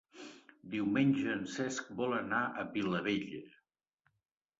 Diumenge en Cesc vol anar a Vilabella.